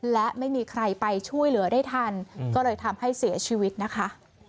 และไม่มีใครไปช่วยเหลือได้ทันก็เลยทำให้เสียชีวิตนะคะ